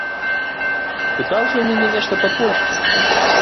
Пытаўся ў мяне нешта па-польску.